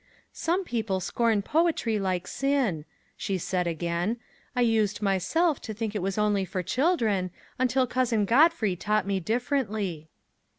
"Some people scorn poetry like sin," she said again. "I used myself to think it was only for children, until Cousin Godfrey taught me differently."